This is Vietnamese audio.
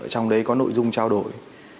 trong đấy có nội dung trao đổi